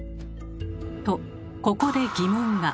とここで疑問が。